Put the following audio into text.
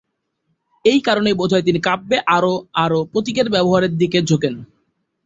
এই কারণেই বোধহয় তিনি কাব্যে আরও আরও প্রতীকের ব্যবহারের দিকে ঝোঁকেন।